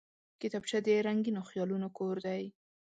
کتابچه د رنګینو خیالونو کور دی